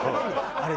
「あれ？